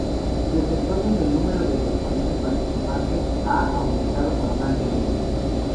Desde entonces el número de los países participantes ha aumentado constantemente.